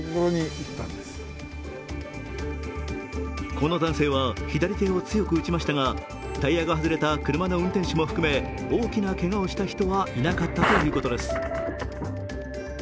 この男性は左手を強く打ちましたが、タイヤが外れた車の運転手も含め大きなけがをした人はいなかったということです。